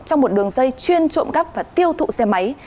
trong một đường dây chuyên trộm cắp và tiêu thụ xe máy